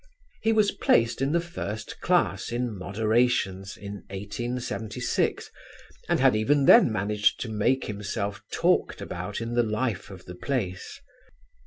He was placed in the first class in "Moderations" in 1876 and had even then managed to make himself talked about in the life of the place.